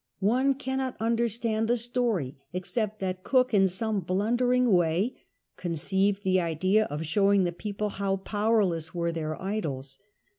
One cannot understand the story except that Cook, in some blundering way, con ceived the idea of showing the people how power less were their idols.